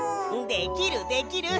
できるできる！